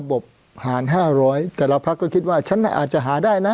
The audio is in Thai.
บบสะบบหาลห้าร้อยแต่ละพรรคก็คิดว่าฉันอาจจะหาได้น่ะ